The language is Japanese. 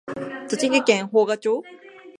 栃木県芳賀町